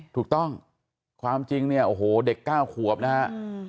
ถูกต้องความจริงเนี่ยโอ้โหเด็ก๙ขวบนะฮะ